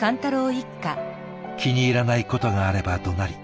気に入らないことがあればどなり